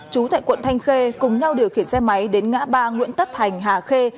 chú tại quận thanh khê cùng nhau điều khiển xe máy đến ngã ba nguyễn tất thành hà khê